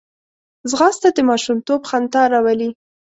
ځغاسته د ماشومتوب خندا راولي